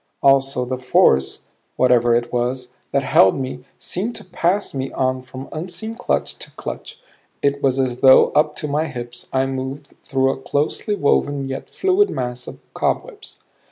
Also the force, whatever it was, that held me seemed to pass me on from unseen clutch to clutch; it was as though up to my hips I moved through a closely woven yet fluid mass of cobwebs.